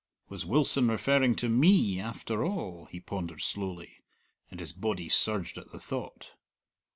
"Was Wilson referring to me, after all?" he pondered slowly; and his body surged at the thought.